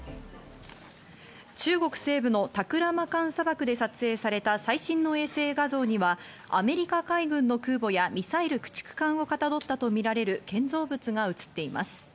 中国西部のタクラマカン砂漠で撮影された最新の衛星画像にはアメリカ海軍の空母やミサイル駆逐艦をかたどったとみられる建造物が映っています。